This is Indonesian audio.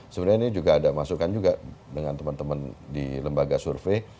sebenarnya ini juga ada masukan juga dengan teman teman di lembaga survei